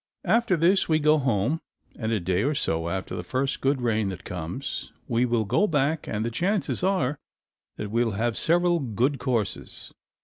After this we go home and a day or so after the first good rain that comes, we will go back and the chances are that we will have several good courses.